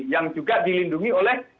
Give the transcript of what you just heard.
yang juga dilindungi oleh